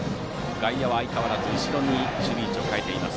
外野は相変わらず後ろに守備位置を変えています。